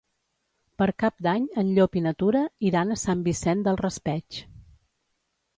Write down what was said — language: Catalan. Per Cap d'Any en Llop i na Tura iran a Sant Vicent del Raspeig.